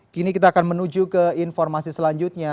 kini kita akan menuju ke informasi selanjutnya